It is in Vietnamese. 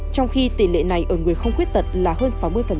trong khi tỷ lệ này ở người không khuyết tật là hơn sáu mươi